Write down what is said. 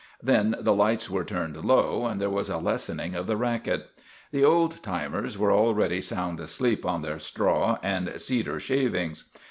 Then the lights were turned low, and there was a lessening of the racket. The old timers were al ready sound asleep on their straw and cedar shav 97 98 JUSTICE AT VALLEY BROOK ings.